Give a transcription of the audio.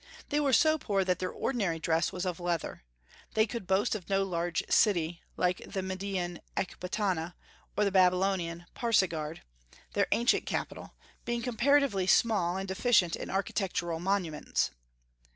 They were so poor that their ordinary dress was of leather. They could boast of no large city, like the Median Ecbatana, or like Babylon, Pasargadae, their ancient capital, being comparatively small and deficient in architectural monuments.